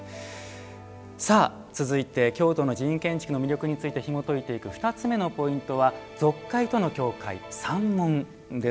続いて京都の寺院建築の魅力についてひもといていく２つ目のポイントは「俗界との境界三門」です。